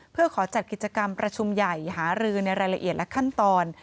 เพื่อขอจัดกิจกรรมประชุมใหญ่หารือในรายละเอียดและขั้นตอน